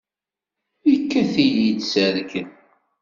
Yekkat-iyi-d s rrkel!